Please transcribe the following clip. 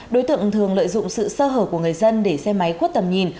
đối tượng thường lợi dụng sự sơ hở của người dân để xe máy khuất tầm nhìn